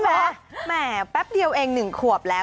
แหมแป๊บเดียวเอง๑ขวบแล้ว